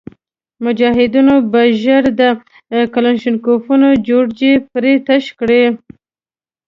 مجاهدینو به ژر د کلشینکوف ججوري پرې تش کړ.